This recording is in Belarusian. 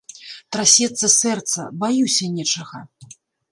Трасецца сэрца, баюся нечага.